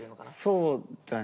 そうだね。